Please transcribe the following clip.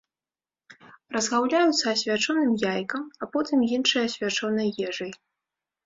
Разгаўляюцца асвячоным яйкам, потым іншай асвячонай ежай.